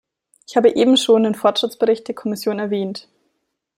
Ich habe eben schon den Fortschrittsbericht der Kommission erwähnt.